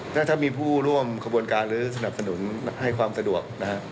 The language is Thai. ถ้ามีผู้ร่วมขบวนการหรือสนับสนุนให้ความสะดวกนะฮะ